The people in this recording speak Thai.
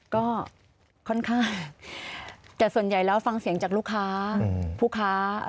ก็ค่อนข้างแต่ส่วนใหญ่แล้วฟังเสียงจากลูกค้าผู้ค้า